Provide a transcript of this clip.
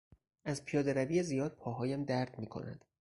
از پیادهروی زیاد پاهایم درد میکند.